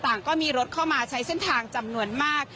ก็มีรถเข้ามาใช้เส้นทางจำนวนมาก